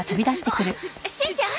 あっしんちゃん！